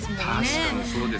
確かにそうですね